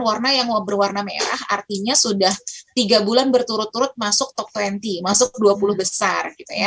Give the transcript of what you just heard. warna yang berwarna merah artinya sudah tiga bulan berturut turut masuk top dua puluh masuk dua puluh besar